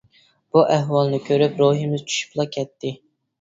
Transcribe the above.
بۇ ئەھۋالنى كۆرۈپ روھىمىز چۈشۈپلا كەتتى.